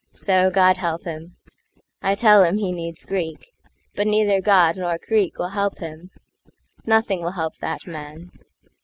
So, God help him!I tell him he needs Greek; but neither GodNor Greek will help him. Nothing will help that man.